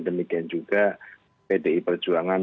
dan juga pdi perjuangan